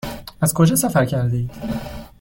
از کجا سفر کرده اید؟